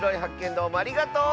どうもありがとう！